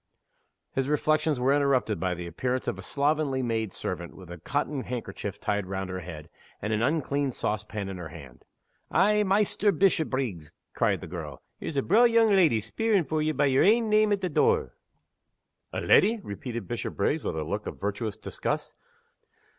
His reflections were interrupted by the appearance of a slovenly maid servant, with a cotton handkerchief tied round her head, and an uncleaned sauce pan in her hand. "Eh, Maister Bishopriggs," cried the girl, "here's a braw young leddy speerin' for ye by yer ain name at the door." "A leddy?" repeated Bishopriggs, with a look of virtuous disgust.